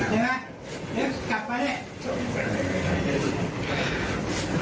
ใช่ไหมเอ็กซ์กลับไปดิ